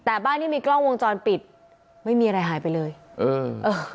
แต่บ้านที่มีกล้องวงจรปิดไม่มีอะไรหายไปเลยเออเออ